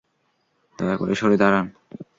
দয়া করে সরে দাঁড়ান।